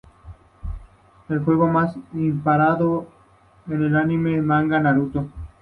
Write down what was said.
El juego está inspirado en el anime-manga Naruto.